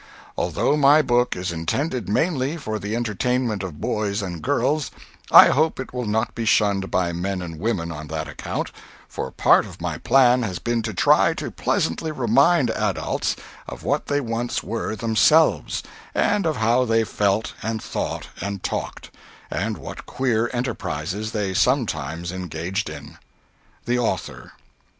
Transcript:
Although my book is intended mainly for the entertainment of boys and girls, I hope it will not be shunned by men and women on that account, for part of my plan has been to try to pleasantly remind adults of what they once were themselves, and of how they felt and thought and talked, and what queer enterprises they sometimes engaged in. THE AUTHOR.